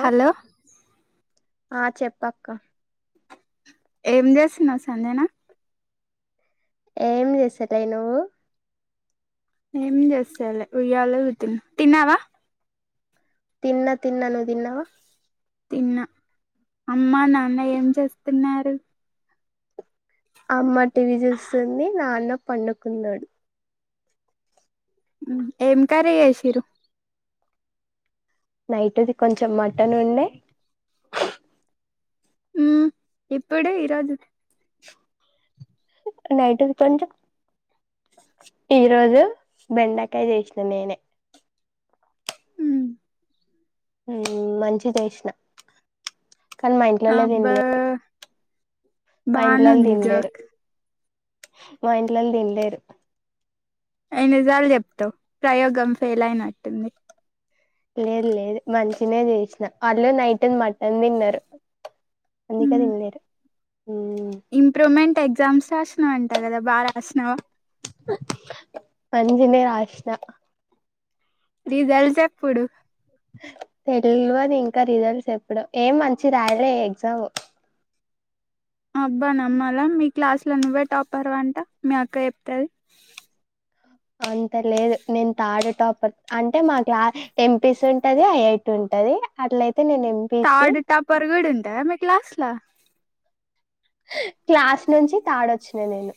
Hello ఆ చెప్పక్క ఏం చేస్తున్నావ్ సంజన ఏం చేస్ సేటిల్ అయ్నవ్వు ఏమ్ జస్తలే ఉయ్యాల్ ఊగుతున్న తిన్నావా తిన్న తిన్నాను నువ్వు తిన్నవా తిన్నా అమ్మా నాన్న ఏం చేస్తున్నారు. అమ్మ టీవీ చూస్తుంది నాన్న పండుకున్నాడు హ్మ్ ఏం కర్రీ చేసిర్రు నైట్ది కొంచెం మటన్ ఉండే హ్మ్ ఇప్పుడు ఈరోజు నైట్ కొంచెం ఈ రోజు బెండకాయ చేసిన నేనే హ్మ్ మంచిగ్ చేసిన కానీ మా ఇంట్లో లేద ఏం అబ్బా లేదు బానే ఉంది జోక్ మా ఇంట్లోని తిన్లేరు ఎయిన్ని నిజాలు చెప్తావు ప్రయోగం ఫెయిల్ అయినట్టుంది లేదు లేదు మంచిగనే చేసిన వాళ్ళు నైట్న మటన్ తిన్నారు అందుకే తినలేరు ఇంప్రూవ్మెంట్ ఎగ్జామ్స్ రాసినవంటా కదా బాగా రాసినవా అంజనే రాశిన రిజల్స్ ఎప్పుడు తెలీదు అని ఇంకా రిజల్ట్స్ చెప్పడం ఏం మంచి రాయలే ఎగ్జామ్ అబ్బా నమ్మలా మీ క్లాస్ లో నువ్వే టాపర్ అంట మీ అక్క చెప్తంది అంత లేదు నేను థర్డ్ టాపర్ అంటే మాకు ఎంపీసి ఉంటది ఐఐటి ఉంటది అట్లయితే నేను ఎంపీసీ తాడు తాపర్ గడు ఉంటారా మీ క్లాస్ లో స క్లాస్ నుంచి తాడొచ్చు న నేను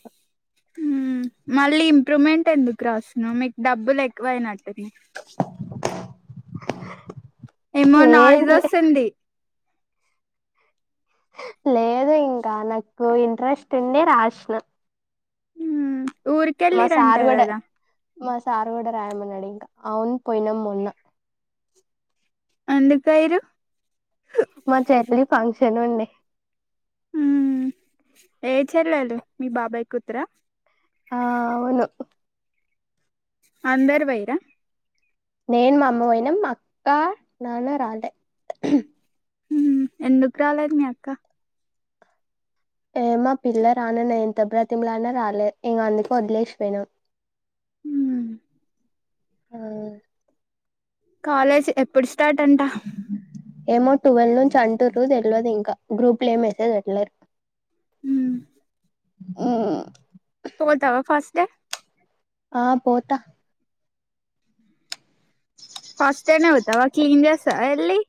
మళ్ళీ ఇంప్రూవ్మెంట్ ఎందుకు రాస్తున్నా మీకు డబ్బులు ఎక్కువయినట్టు అని ఏమో లేదు నాయిస్ లే వస్తుంది లేదు ఇంకా నాకు ఇంట్రెస్ట్ ఉండి రాసిన మా ఊర్కెళ్ళరంట సార్ కూడా గదా మా సారు కూడా రాయమని అన్నడు ఇంక అవును పోయినాం మొన్న ఎందుకాయరు జనండడి హ్మ్ ఏ చెల్లలు మీ బాబాయ్ కుతురా ఆ అవును అందరు వైరా నేను మామ్మోపోయినం అక్కా నాన్న రాలె ఎందుకు రాలేదు మీ అక్క ఏమా పిల్ల రాను న ఎంత బ్రా తిమ్లానా రాలే ఇంకా అందుకే వదిలేసినా ఇక అందుకు అ ఆ కాలేజ్ ఎప్పుడు ష్టా థర్డ్ అంట ఏమో టువెల్వ్ నుంచి అంటు్ర తెలియదు ఇంకా గ్రూప్ లో ఏం మసేజ్ పెట్లేరు హ్మ్ ఊ పోతవా ఫస్ట్ డే ఆ పోతా ఫస్తేనే వచ్చ దా క్లీన్ చేస్తావా వెళ్లి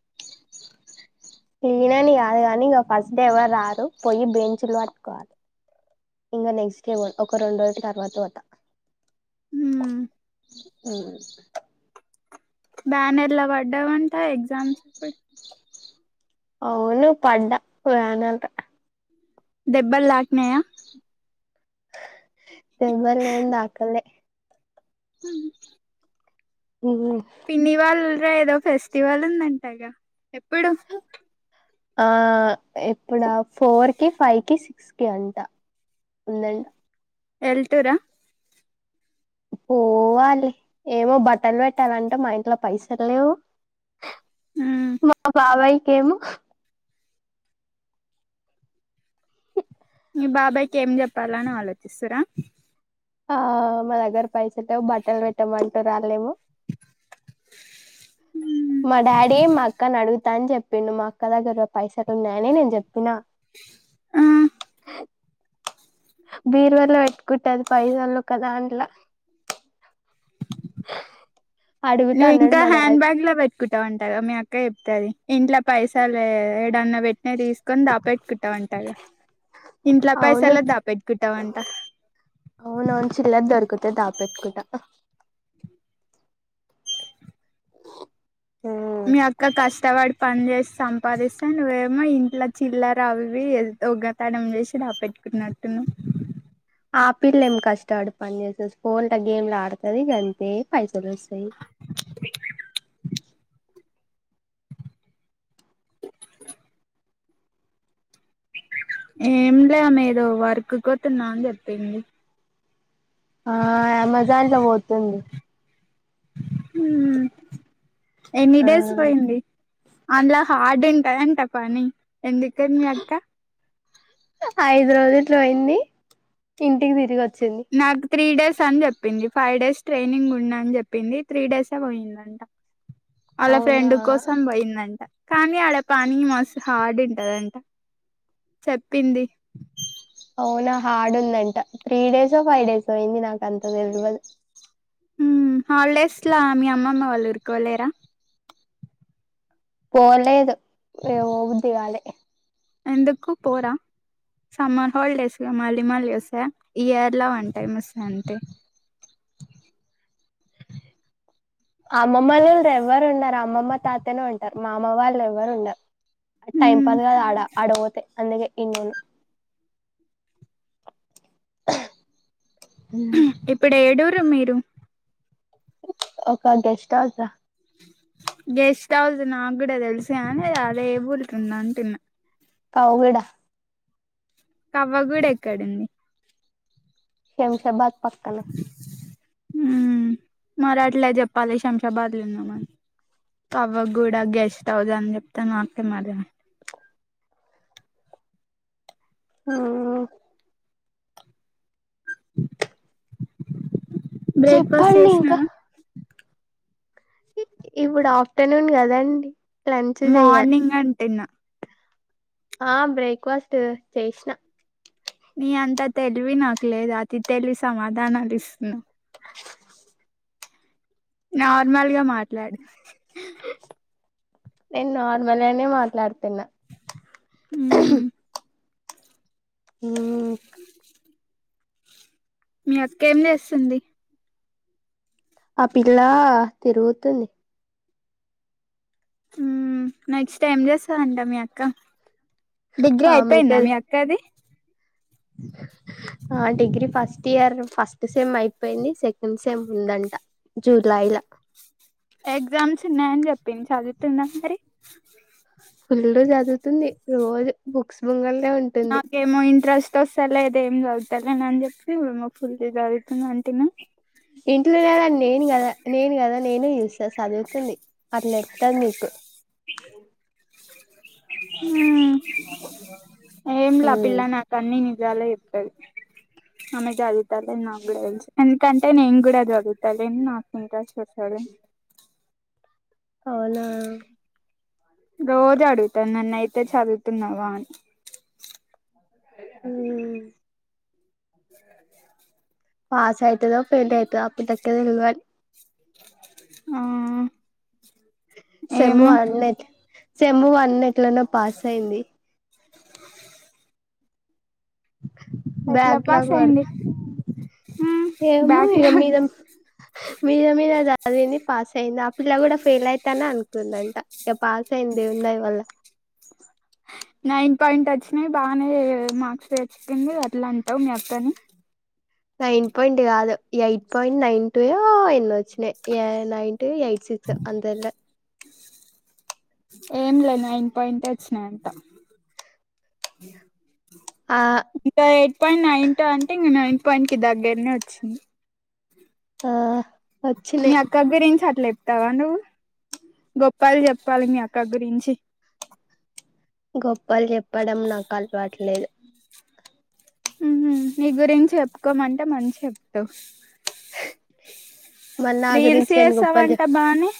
ఈయలేదులే కాదు కానీ ఇగా ఫస్ట్ డే ఎవరు రారు పోయి బెంచ్ లో పట్టుకోవాలి. ఇంకా నెక్స్ట్ డే ఒక రెండు రోజుల తర్వాత పోత హ్మ్ బ్యానర్లా పడ్డావంట ఎగ్జామ్స్ అప్పుడు అవును పడ్డా బ్యానర్ల దెబ్బల్ దాక్నాయా దెబ్బల్ ఏం తకాలే మ్మ్ హ్ ఉమ్. పిన్నివాల్ వేదో ఫెస్టివల్ ఉందంటగా ఎప్పుడు ఆ ఎప్పుడా ఫోర్ కి, ఫైవ్ కి, సిక్స్ కి అంట ఉందంట. వెల్తూరా పోవాలి ఏమో బట్టలు పెట్టాలంటే మా ఇంట్లో పైసలు లేవు మా బాబాయికి ఏమో, మీ బాబాయ్ కి ఏం చెప్పాల అని ఆలోచిస్సురా ఆ మా దగర్ పైసల్ లేవు బట్టల్ పెట్టమని తో రాలేము మా డాడీ మా అక్కని అడుగుతా అని చెప్పిండు మా అక్క దగ్గర పైసలు ఉన్నాయని నేను చెప్పిన ఆ బీరువాలో పెట్టుకుంటది పైసలు ఒక దాంట్లో, నువ్వు అన్నాడు ఇంకా మా హ్యాండ్ డాడీ బ్యాగ్ లో పెట్టుకుంటావంటాగా మీ అక్క ఇంట్లో పైస లే ఏడన్నా పెట్నే తీసుకొని దాపెట్టుకుంటా వంటగా ఇంట్ల అవును పైసలే దాపెట్టుకుంటావంట, తే దాపెట్టుకుంటా మీ అక్క కష్టపడి పని చేేసి సంపాదిస్తే నువ్వే మా ఇంట్లో చిల్లర అవి ఇవి దొంగతనం చేసి దాపెట్టుకున్నా ఆపిల్ల ఏం కష్టపడు పని చేసేసి ఫోన్లతో గేమ్లు ఆడుతది ఇగ అంతే పైసలు వస్తయ్. ఏం లే ఆమేదో వర్క్ కోతున్నా అని చెప్పింది ఆ అమెజాన్ లో పోతుంది మ్మ్ ఎన్ని ఆ డేస్ పోయింది అందులో హార్డ్ం ఏంటా పని ఎందుకని అక్క హైదరబాద్ ఇట్ల బోయింది ఇంటికి తిరిగొ చింది నాకు త్రీ డేస్ అని చెప్పింది ఫైవ్ డేస్ ట్రైనింగ్ ఉన్నా అని చెప్పింది త్రీ డేస్ ఏ పోయిందంట ఆళ్ళ అవునా ఫ్రెండ్ కోసం పోయిందంట కానీ ఆడ పని మస్తు హార్డ్ ఉంటదంట సెప్పింది అవునా హార్డ్ ఉందంట త్రీ డేసో ఫైవ్ డేసో అయ్యింది నాకు అంత తెలువదు ఉమ్ హాలిడేస్ ల మీ అమ్మమ్మ వాళ్ళూరుకు వెళ్ళేరా పోలేదు ఏ పోబుద్ది గాలే ఎందుకు పోరా సమ్మర్ హాలిడేస్ గా మళ్ళీ మళ్ళీ వస్తాయా ఇయర్ ల వన్ టైం వస్తా అంతే అమ్మమ్మ వాళ్ళతో ఎవ్వరు ఉండరు అమ్మమ్మ తాతనే ఉంటరు మామ వాళ్ళు ఎవ్వరుండర్ టైం మ్మ్ పది కాద్ ఆడా ఆడపోతే అందుకే ఇన్నెను [unintelligible] ఇప్పుడు ఏడు ర్ మీరు ఒక గెస్ట్ హౌసా గెస్ట్ హౌస్ నాకు కూడ తెలిసు గాని అదే ఏ ఊరికింద అంటున్నా కవ్గడ కవ్వగూడ ఎక్కడుంది శంషాబాద్ పక్కన మ్మ్ మరి అట్లే చెప్పాలి శంషాబాద్లు ఉన్నా మని కవ్వగూడ గెస్ట్ హౌస్ అని చెప్తే నాకేమ్ అర్థమవు ఆ బ్రేక్ఫాస్ట్ చెప్పండి ఇంక చేసినావా ఇప్పుడు ఆఫ్టర్నూన్ కదండి లంచ్ చెయ్యాలి మార్నింగ్ అం తిన్న ఆ బ్రేక్ఫాస్టు చేసిన నీ అంతా తెలివి నాకు లేదు అతి తెలివి సమాధానాలు ఇస్తున్న హ నార్మల్ గ మాట్లాడు నేను నార్మలనే మాట్లాడు తిన్న మ్మ్ హుమ్ మీ అక్కెం చేస్తుంది ఆ పిల్లా తిరుగుతుంది హుమ్ నెక్స్ట్ ఏం చేస్తదంట మీ అక్క డిగ్రీ ఆమెకే అయిపోయింద మీ అక్కది ఆ degree first year first sem అయిపోయింది సెకండ్ సెమ్ ఉందంట జూలైల ఎగ్జామ్స్ ఉన్నాయని చెప్పింది చదువుతుంద మరి ఫుల్లు జ చదువుతుంది రోజు బుక్స్ ముంగల్ నాకేమో ఇంట్రెస్ట్ తోసలేదేం ఏం సదువ్తలేను అని చెప్పి అంటినా ఇంటిగురాలని నేను గదా నేను గదా నేనే సస్ చదువుతుంది అట్లా చెప్తది మీకు ఉమ్ ఏంలా ఉమ్ పిల్ల నా కన్ని చాలా చెప్తాది ఆమె చదు నా కూడా తెలుసు కంటే నేను కూడా చదువుతాలే నాకు ఇంట్రాస్ట్ వస్తాది అవునా రోజు అడుగుతా నన్ను అయితే చదువుతున్నావా అని ఉమ్ మ్ పాస్ అయితదో ఫెల్ అయితదో అ పిల్లకే తెలవాలి ఆ సెమ్ ఏమో వన్ సెమ్ వన్ ఎట్లనో పాస్ అయింది ఎట్లా పాస్ బ్యాక్లాగ్ అయింది పడతా హ్మ్ ఏమో ఇక బ్యాక్లాగ్ మీద మీద మీద అదేంది పాస్ అయింది ఆ పిల్ల కూడా ఫెయిల్ అయితానే అనుకుందంట ఇక పాస్ అయింది దేవుని దయ వల్ల నైన్ పాయింట్ వచ్చినాయి బాగానే మార్క్స్ తెచ్చుకుంది అట్లా అంటావు మీ అత్తని నైన్ పాయింట్ కాదు ఎయిట్ పాయింట్ నైన్ టు యో ఎన్నో వచ్చినాయి ఏ నైన్ ఎయిట్ సిక్స్ అంతేలే ఏం లేదు నైన్ పాయిట్ ఏ వచ్చినాయి అంటా ఆ ఇంకా ఎయిట్ పాయింట్ నైన్ టూ అంటే ఇంకా నైన్ పాయింట్ కి దగ్గరనే వచ్చింది ఆ మీ వచ్చినాయి అక్క గురించి చెప్తావా నువ్వు గొప్పలు చెప్పాలి మీ అక్క గురించి గొప్పలు చెప్పడం నాకు అలవాట్లేదు ఉ నీ గురించి చెప్పుకోమంటే మంచి చెప్త మరి నా రీల్స్ గురించి నేను గొప్పలు చేసావంట చెప్ బానే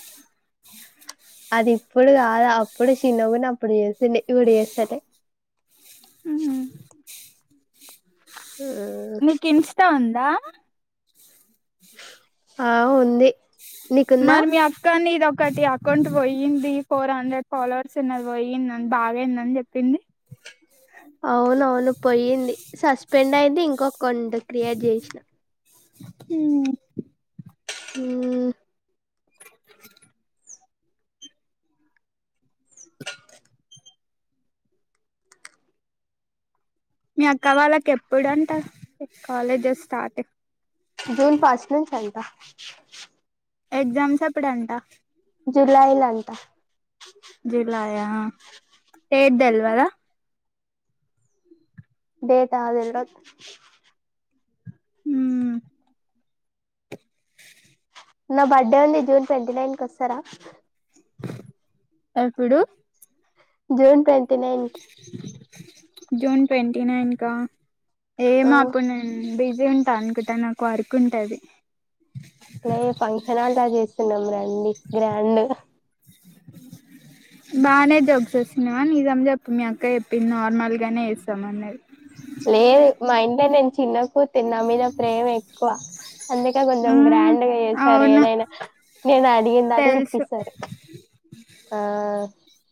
అది ఇప్పుడు కాదు అప్పుడు చిన్నగున్నప్పుడు చేసిండే ఇప్పుడు చేస్తలే ఉహు నీకు ఇంస్టా ఉందా ఆ ఉంది నీకుందా మరి మీ అక్కని ఇది ఒకటి అకౌంట్ పోయింది ఫోర్ హండ్రెడ్ ఫాలోవర్స్ ఉన్నది పోయిందిని బాదయిందని చెప్పింది అవునవును పోయింది సస్ పెండ్ అయితే ఇంకొ కొండ క్రియేట్ చేసిన ఉ ఊ మీ అక్క వాళ్ళకి ఎప్పుడుంట కాలేజెస్ స్టార్ట్ జూన్ ఫస్ట్ నుంచి అంట ఎగ్జామ్స్ ఎప్పుడంట జులైల అంట జులాయా ఎదేల్వదా డేటా తెల్వద్ ఊ నా బర్డే ఉంది జూన్ ట్వంటీ నైన్ కి వస్తరా ఎప్పుడు జూన్ ట్వ టి నైన్త్ జూన్ ట్వంటీ నైన్ కా ఆ ఏమో అప్పుడు నేను బిజ్ గా ఉంటా అనుకుంటా నాకు వర్క్ ఉంటది లే ఫంక్షన్ హాల్ తావ చేసుకుందాం రండి గ్రాండ్ గా బాగానే జోక్స్ ఏస్తున్నావ్ గాని నీజం చెప్పు మీ అక్క చెప్పింది నార్మల్ గానే చేస్తాం అన్నది లేదు మా ఇంట్లో నేను చిన్న క్కు తిన్న మీద ప్రేమ ఎక్కువ అందుక కొంచెం మ్మ్ గ్రాండ్గా చేసారు అవును ఏదైనా నేను అడిగిందల్లా తెలుసు ఇప్పిస్తారు ఆ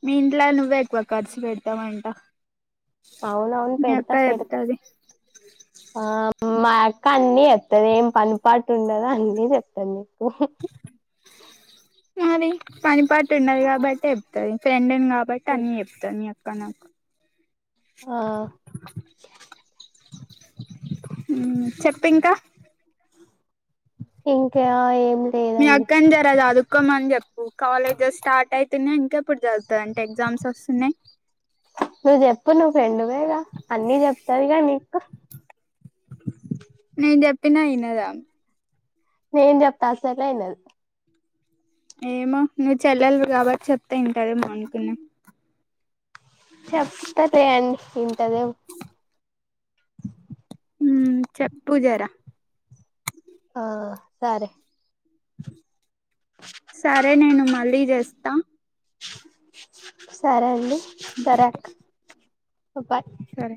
మీ ఇంట్లో నువ్వే ఎక్కువ ఖర్చు పెడతావంట అవునవున్ మీ అక్క పెడతా పెడత చెప్తది ఆ మా అక్క అన్ని చెప్తది ఏం పని పాటు ఉండదు అన్ని చెబుతుంది మరి పనిపాటు ఉన్నది కాబట్టి చెప్తది ఫ్రెండ్ నీ కాబట్టి అన్ని చెప్తది మీ అ కనక్ ఆ ఉమ్ చెప్పు ఇంకా ఇంకా ఏ మీ అక్కని జరజదుకోమ్మని చెప్పు కాలేజెస్ స్టార్ట్ అయితున్నయ్ ఇంకా ఇప్పుడు చదువుతదంట ఎగ్జామ్స్ వస్తున్నాయి నువ్వు చెప్పు నువ్వు ఫ్రెండ్వేగా అన్నీ చెప్తది గా నీకు నేన్ చెప్పిన ఈనదు ఆమె నేను చెప్పినా సరే ఈనదు ఏమో నువ్వు చెల్లెలివి కాబట్టి చెప్తే వింటాదేమో అనుకున్నా చెప్తాతీయండి వింటదేమో ఉ చెప్పూజర ఆ సరే సరే నేను మళ్ళీ చేస్తా. సరే అండి. సరక్ పోపాయ్ సరే